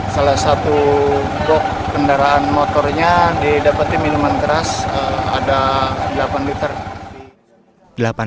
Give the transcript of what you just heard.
salah satu kendaraan motornya didapati minuman keras ada delapan liter